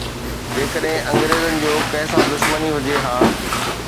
جيڪڏهن انگريزن جو ڪنهن سان دشمني هجي ها.